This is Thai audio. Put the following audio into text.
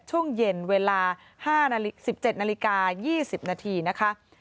ช่วงเย็นเวลา๑๗นาฬิกา๒๐นาทีนะคะ